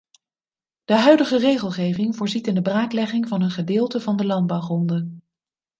De huidige regelgeving voorziet in de braaklegging van een gedeelte van de landbouwgronden.